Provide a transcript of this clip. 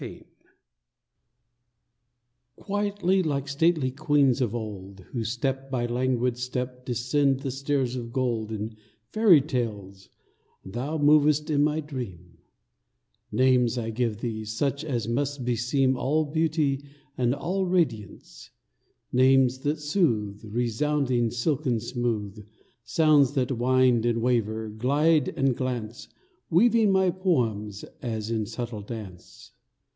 XIV Quietly, like stately queens of old Who, step by languid step, descend the stairs of gold In fairy tales, thou movest in my dream; Names I give thee, such as must beseem All beauty and all radiance; names that soothe, Resounding silken smooth, Sounds that wind and waver, glide and glance, Weaving my poems, as in subtle dance.